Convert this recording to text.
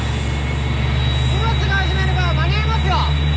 今すぐ始めれば間に合いますよ！